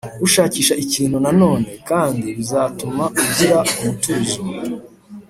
ushakisha ikintu Nanone, kandi bizatuma ugira umutuzo